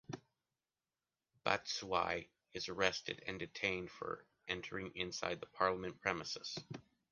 Batsiua is arrested and detained for entering inside the Parliament premises.